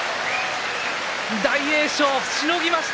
大栄翔、しのぎました。